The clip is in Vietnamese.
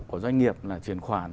của doanh nghiệp là truyền khoản